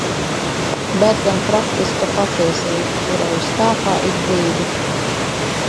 Bet gan praktiska patiesība, kura ir spēkā ik brīdi.